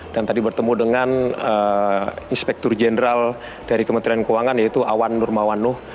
dan tadi bertemu dengan inspektur jenderal dari kementerian keuangan yaitu awan nurmawanuh